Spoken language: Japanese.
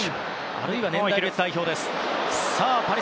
あるいは年代別代表です。